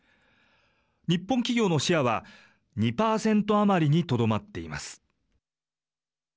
日本企業のシェアは２％余りにとどまっています。